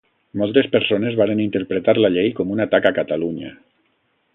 Moltes persones varen interpretar la llei com un atac a Catalunya.